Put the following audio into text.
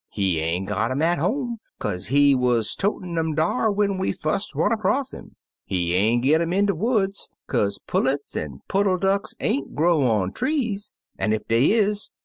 He ain't git um at home, kaze he wuz totin' um dar when we fust ran across 'im; he ain't git um in de woods, kaze pullets an' puddle ducks ain't grow on trees — an' ef dey is.